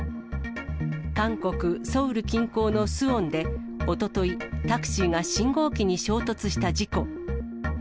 韓国・ソウル近郊のスウォンでおととい、タクシーが信号機に衝突した事故。